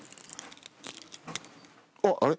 あっあれ？